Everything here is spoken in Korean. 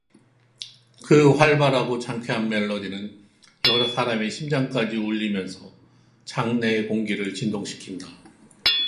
그 활발하고 장쾌한 멜로디는 여러 사람의 심장까지 울리면서 장내의 공기를 진동시킨다.